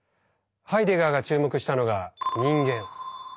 ハイデガーが注目したのが「人間」。